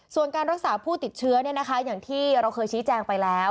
ส่วนการรักษาผู้ติดเชื้ออย่างที่เราเคยชี้แจงไปแล้ว